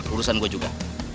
urusan gue juga